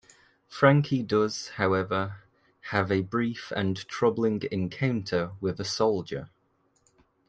Frankie does, however, have a brief and troubling encounter with a soldier.